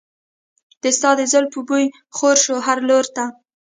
د ستا د زلفو بوی خور شو هر لور ته.